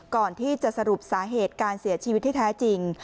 ก่อนที่จะสรุปสาเหตุการเสียชีวิตที่แท้จริง